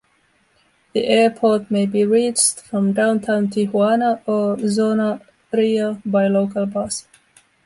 The airport may be reached from Downtown Tijuana or Zona Rio by local bus.